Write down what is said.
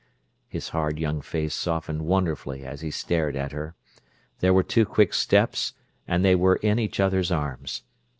His hard young face softened wonderfully as he stared at her; there were two quick steps and they were in each other's arms.